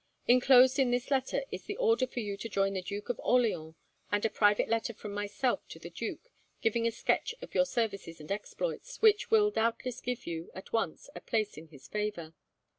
Enclosed in this letter is the order for you to join the Duke of Orleans, and a private letter from myself to the duke, giving a sketch of your services and exploits, which will doubtless give you, at once, a place in his favour.